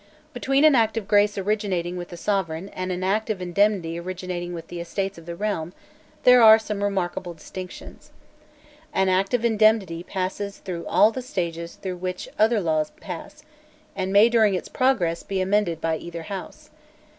Between an Act of Grace originating with the Sovereign and an Act of Indemnity originating with the Estates of the Realm there are some remarkable distinctions. An Act of Indemnity passes through all the stages through which other laws pass, and may, during its progress, be amended by either House.